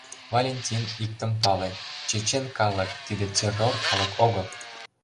Валентин, иктым пале: чечен калык — тиде террор калык огыл!